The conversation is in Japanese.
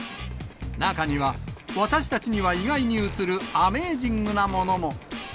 中には私たちには意外に映る、アメージングなものも。